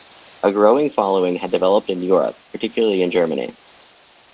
A growing following had developed in Europe, particularly in Germany.